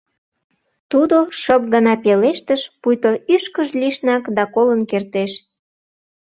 Тудо шып гына пелештыш, пуйто ӱшкыж лишнак да колын кертеш: